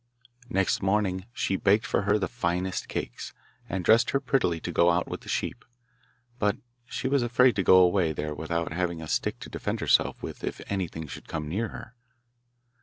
Next morning she baked for her the finest cakes, and dressed her prettily to go out with the sheep. But she was afraid to go away there without having a stick to defend herself with if anything should come near her.